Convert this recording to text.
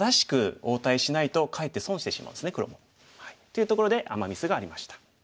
いうところでアマ・ミスがありました。